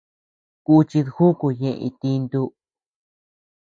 Kuchid júku ñeʼe itintu.